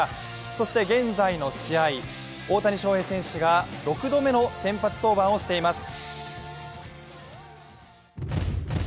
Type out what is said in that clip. そして現在の試合、大谷翔平選手が６度目の先発登板をしています。